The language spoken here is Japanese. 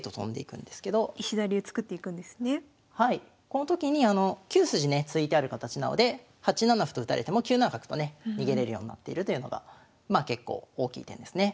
この時に９筋ね突いてある形なので８七歩と打たれても９七角とね逃げれるようになっているというのが結構大きい点ですね。